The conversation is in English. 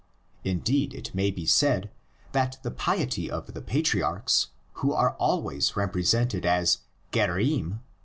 Indeed it may be said, that the piety of the patriarchs, who are always represented as gerim.